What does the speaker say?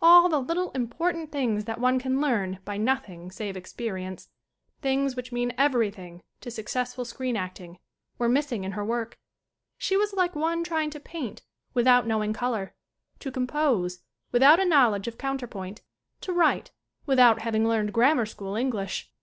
All the little important things that one can learn by nothing save experience, things which mean everything to successful screen acting, were missing in her work. She was like one trying to paint without knowing color, to com pose without a knowledge of counter point, to write without having learned grammar school English.